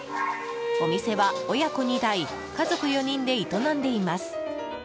お店は、親子２代家族４人で営んでいます。